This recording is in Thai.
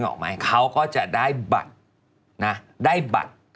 นึกออกไหมเขาก็จะได้บัตร